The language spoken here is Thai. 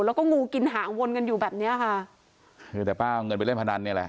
แล้วก็งูกินหางวนกันอยู่แบบเนี้ยค่ะคือแต่ป้าเอาเงินไปเล่นพนันเนี่ยแหละ